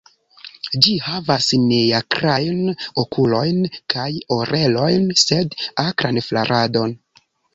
Ĝi havas neakrajn okulojn kaj orelojn, sed akran flaradon.